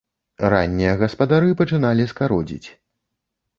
Раннія гаспадары пачыналі скародзіць.